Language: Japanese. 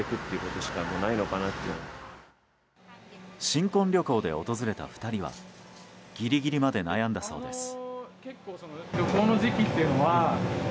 新婚旅行で訪れた２人はギリギリまで悩んだそうです。